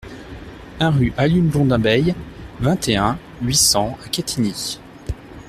un rue Alioune Blondin Beye, vingt et un, huit cents à Quetigny